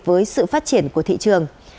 với sự phát triển của thị trường